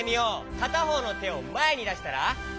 かたほうのてをまえにだしたらおいでおいで。